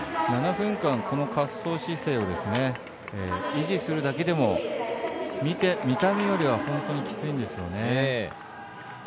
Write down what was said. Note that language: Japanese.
７分間、この滑走姿勢を維持するだけでも見た目より本当に厳しいんですね。